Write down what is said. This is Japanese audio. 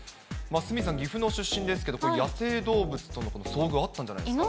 鷲見さん、岐阜の出身ですけど、これ、野生動物との遭遇、あったんじゃないですか？